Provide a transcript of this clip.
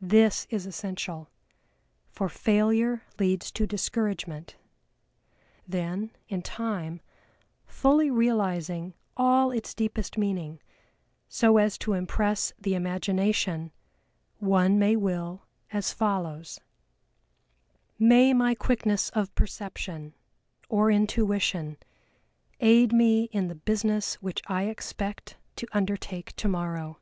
This is essential, for failure leads to discouragement. Then, in time, fully realizing all its deepest meaning, so as to impress the Imagination one may will as follows: "May my quickness of Perception, or Intuition, aid me in the business which I expect to undertake tomorrow.